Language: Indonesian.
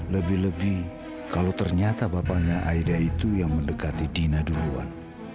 lebih lebih kalau ternyata bapaknya aida itu yang mendekati dina duluan